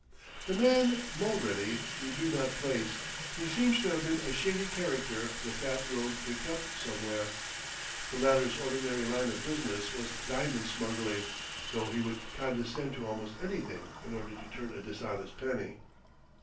The man Mulready we do not place; he seems to have been a shady character the fat rogue picked up somewhere. The latter's ordinary line of business was diamond smuggling, though he would condescend to almost anything in order to turn a dishonest penny....